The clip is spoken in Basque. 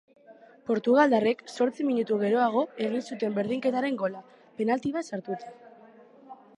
Portugaldarrek zortzi minutu geroago egin zuten berdinketaren gola, penalti bat sartuta.